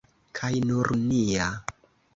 Kaj nur nia!